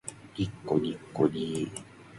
にっこにっこにー